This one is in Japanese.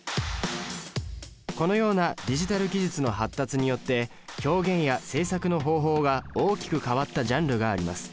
このようなディジタル技術の発達によって表現や制作の方法が大きく変わったジャンルがあります。